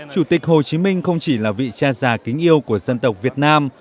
chủ tịch hồ chí minh không chỉ là vị cha già kính yêu của dân tộc việt nam